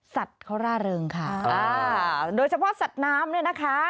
สัตว์เขาร่าเริงค่ะอ่าโดยเฉพาะสัตว์น้ำเนี่ยนะคะ